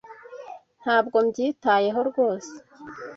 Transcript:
Ntabwo mbyitayeho rwose.